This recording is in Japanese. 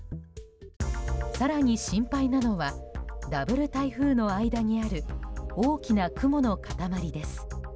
更に心配なのはダブル台風の間にある大きな雲の塊です。